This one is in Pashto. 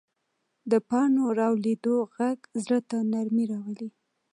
د پاڼو رالوېدو غږ زړه ته نرمي راولي